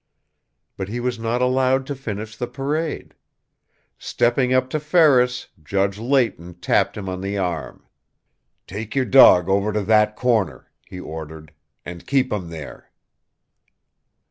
But he was not allowed to finish the parade. Stepping up to Ferris, Judge Leighton tapped him on the arm. "Take your dog over to that corner," he ordered, "and keep him there."